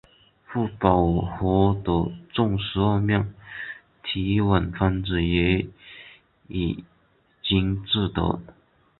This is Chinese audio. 不饱和的正十二面体烷分子也已经制得。